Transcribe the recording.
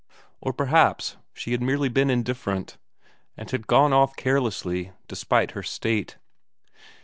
Or perhaps she had been merely indifferent, and had gone off carelessly, despite her state....